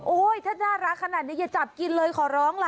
ถ้าน่ารักขนาดนี้อย่าจับกินเลยขอร้องล่ะ